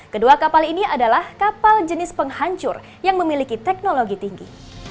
kedua kapal ini adalah kapal jenis penghancur yang memiliki teknologi tinggi